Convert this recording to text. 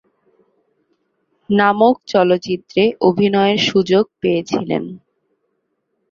নামক চলচ্চিত্রে অভিনয়ের সুযোগ পেয়েছিলেন।